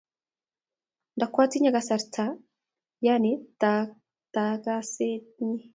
Ndakwatinye kasar taa yani taakset nyi.